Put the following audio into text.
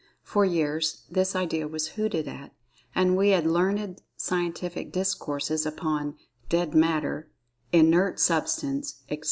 For years, this idea was[Pg 6] hooted at, and we had learned scientific discourses upon "dead Matter," "inert substance," etc.